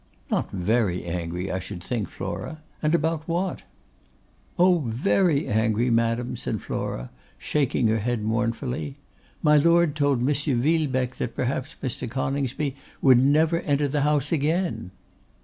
'Not very angry, I should think, Flora; and about what?' 'Oh! very angry, madam,' said Flora, shaking her head mournfully. 'My Lord told M. Villebecque that perhaps Mr. Coningsby would never enter the house again.